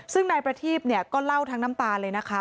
ซึ่งนายประทีพก็เล่าทั้งน้ำตาเลยนะคะ